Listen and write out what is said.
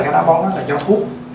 táo bón là do thuốc